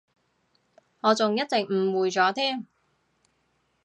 我仲一直誤會咗添